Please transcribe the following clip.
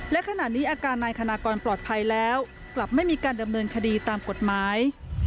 และขณะนี้อาการนายคณะกรปลอดภัยแล้วกลับไม่มีการดำเนินคดีตามกฎหมาย